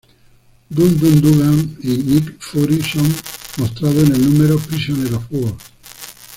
Dum Dum Dugan y Nick Fury son mostrados en el número "Prisoner of War!